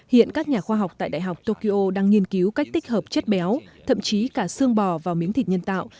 hiện các nhà khoa học tại đại học tokyo đang nghiên cứu cách tích hợp chất béo thậm chí cả xương bò vào miếng thịt nhân tạo